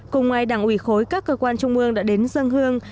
cùng ngoài đảng ủy khối các cơ quan trung mương đã đến dâng hương